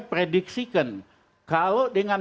prediksikan kalau dengan